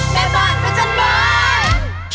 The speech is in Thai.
แม่บ้านพัชรบ้าน